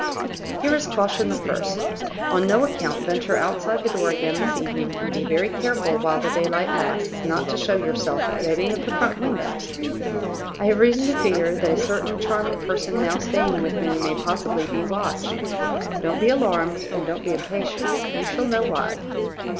"Here is caution the first. On no account venture outside the door again this evening, and be very careful, while the daylight lasts, not to show yourself at any of the front windows. I have reason to fear that a certain charming person now staying with me may possibly be watched. Don't be alarmed, and don't be impatient; you shall know why.